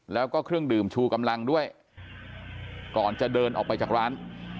แล้วก็เครื่องดื่มชูกำลังด้วยก่อนจะเดินออกไปจากร้าน